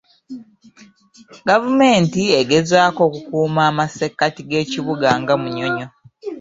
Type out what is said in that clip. Gavumenti egezaako okukuuma amasekkati g'ekibuga nga mayonjo.